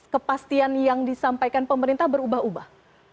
kepastian yang disampaikan pemerintah berubah ubah